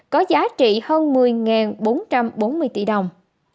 có giá trị hơn một mươi bốn trăm bốn mươi tỷ đồng